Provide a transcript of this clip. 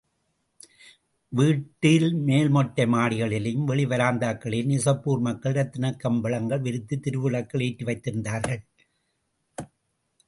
வீட்டில் மேல்மொட்டை மாடிகளிலேயும் வெளி வராந்தாக்களிலேயும், நிசாப்பூர் மக்கள் இரத்தினக் கம்பளங்கள் விரித்துத் திருவிளக்குகள் ஏற்றி வைத்திருந்தார்கள்.